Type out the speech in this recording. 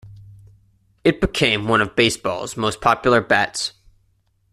It became one of baseball's most popular bats.